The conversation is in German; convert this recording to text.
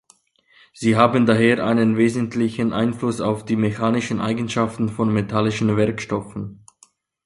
Sie haben daher einen wesentlichen Einfluss auf die mechanischen Eigenschaften von metallischen Werkstoffen.